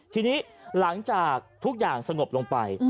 ทีนี้หลังจากทุกอย่างสงบลงไป